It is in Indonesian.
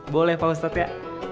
boleh pak ustadz ya